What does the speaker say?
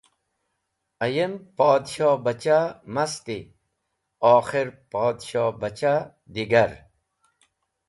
Ayem Podshohbachah masti, okhir Podshohbachah, digar.